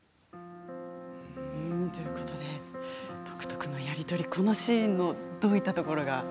独特のやり取りこのシーンのどういったところが？